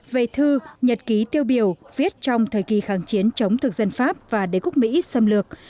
về thư nhật ký tiêu biểu viết trong thời kỳ kháng chiến chống thực dân pháp và đế quốc mỹ xâm lược